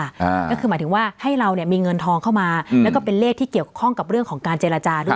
อ่าก็คือหมายถึงว่าให้เราเนี่ยมีเงินทองเข้ามาแล้วก็เป็นเลขที่เกี่ยวข้องกับเรื่องของการเจรจาด้วย